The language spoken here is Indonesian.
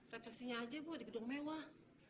recep sinya aja bu di gedung mewah